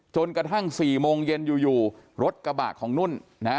จนกระทั่ง๔โมงเย็นอยู่รถกระบะของนุ่นนะฮะ